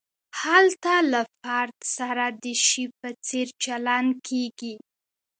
هلته له فرد سره د شي په څېر چلند کیږي.